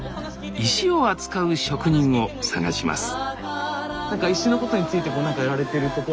石を扱う職人を探します